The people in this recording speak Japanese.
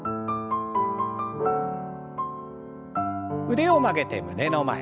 腕を曲げて胸の前。